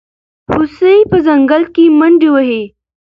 هوسۍ په ځنګل کې منډې وهي.